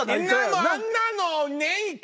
あんなの。